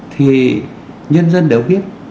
thì nhân dân đều biết